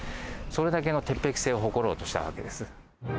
それだけの鉄壁性を誇ろうとしたわけです。